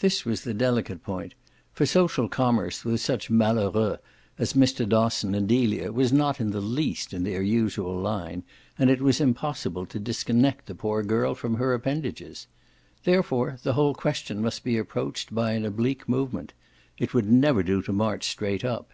This was the delicate point, for social commerce with such malheureux as Mr. Dosson and Delia was not in the least in their usual line and it was impossible to disconnect the poor girl from her appendages. Therefore the whole question must be approached by an oblique movement it would never do to march straight up.